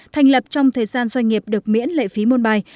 thành lập trong thời gian doanh nghiệp được miễn lệ phí môn bài